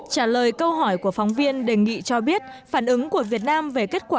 trả lời câu hỏi của phóng viên đề nghị cho biết phản ứng của việt nam về kết quả